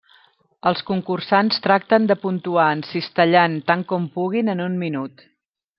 Els concursants tracten de puntuar encistellant tant com puguin en un minut.